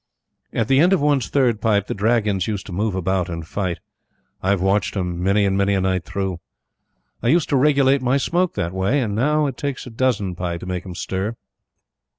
At the end of one's third pipe the dragons used to move about and fight. I've watched 'em, many and many a night through. I used to regulate my Smoke that way, and now it takes a dozen pipes to make 'em stir.